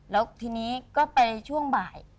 แล้วทีนี้ก็ไปช่วงบ่าย